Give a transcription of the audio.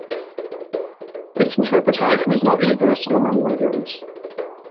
This interpretation is not universal among Lutherans.